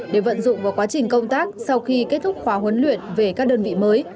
để vận dụng vào quá trình công tác sau khi kết thúc khóa huấn luyện về các đơn vị mới